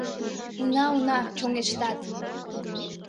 — Уна, уна, чоҥештат!